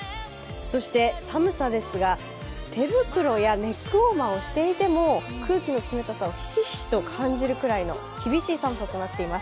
そして寒さですが、手袋やネックウオーマーをしていても空気の寒さをひしひしと感じるくらいの厳しい寒さとなっています。